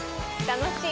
楽しい！